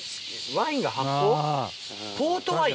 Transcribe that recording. ワインが発酵？